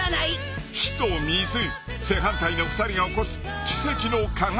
［火と水正反対の二人が起こす奇跡の科学反応とは］